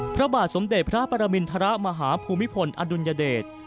พระบาทสมเด็จพระปรมินทรมาหาภูมิพลอดุลยเดช